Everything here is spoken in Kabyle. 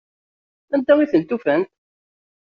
Anda i tent-ufant?